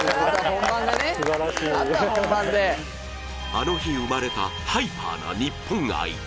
あの日生まれたハイパーな日本愛。